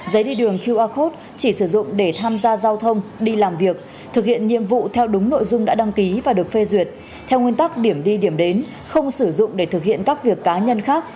giấy đi đường qr code chỉ sử dụng để tham gia giao thông